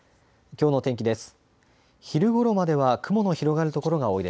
きょうの天気です。